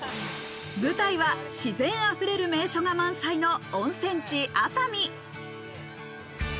舞台は、自然溢れる名所が満載の温泉地・熱海。